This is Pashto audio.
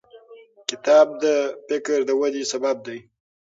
کتاب د فکر د ودې سبب دی.